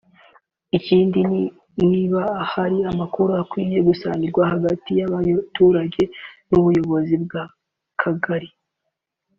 ikindi niba hari amakuru akwiye gusangirwa hagati y’abaturage n‘ubuyobozi bw’Akagari